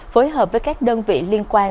phối hợp với các đơn vị liên quan